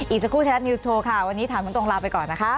อีกสักครู่ไทยรัฐนิวส์โชว์ค่ะวันนี้ถามตรงลาไปก่อนนะคะ